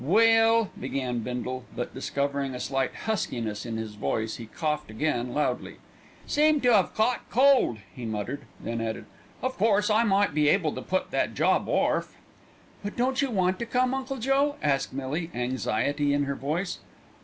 "Well!" began Bindle, but discovering a slight huskiness in his voice he coughed again loudly. "Seem to 'ave caught cold," he muttered, then added, "Of course I might be able to put that job orf." "But don't you want to come, Uncle Joe?" asked Millie, anxiety in her voice.